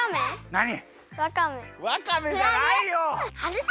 なに？